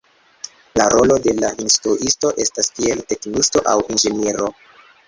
La rolo de la instruisto estas kiel teknikisto aŭ inĝeniero.